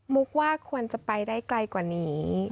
กว่าควรจะไปได้ไกลกว่านี้